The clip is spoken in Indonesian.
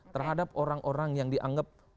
terhadap orang orang yang dianggap merongrong negara